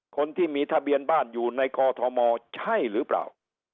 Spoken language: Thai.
คนที่มีทะเบียนบ้านอยู่ในกอทมใช่หรือเปล่า